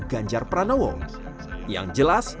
ganjar pranowo yang jelas